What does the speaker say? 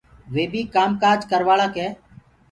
وي بيٚ ڪآم ڪآج ڪروآݪآ ڪي